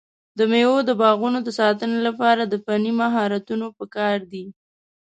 د مېوو د باغونو د ساتنې لپاره د فني مهارتونو پکار دی.